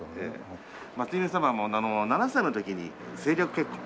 松姫様も７歳の時に政略結婚。